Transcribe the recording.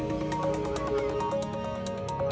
eradikasi artinya di sumcert dan keakhiran